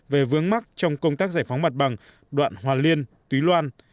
về vướng mắc trong công tác giải phóng mặt bằng đoạn hòa liên túy loan